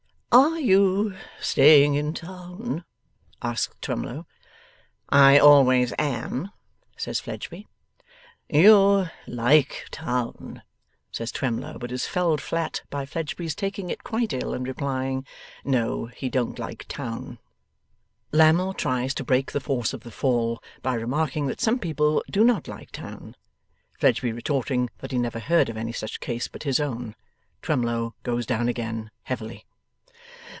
'Are you staying in town?' asks Twemlow. 'I always am,' says Fledgeby. 'You like town,' says Twemlow. But is felled flat by Fledgeby's taking it quite ill, and replying, No, he don't like town. Lammle tries to break the force of the fall, by remarking that some people do not like town. Fledgeby retorting that he never heard of any such case but his own, Twemlow goes down again heavily.